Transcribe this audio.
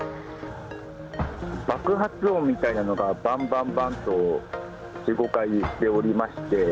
爆発音みたいなのが、ばんばんばんと、４、５回しておりまして。